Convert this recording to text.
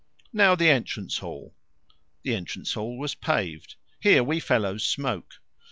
"Now the entrance hall." The entrance hall was paved. "Here we fellows smoke."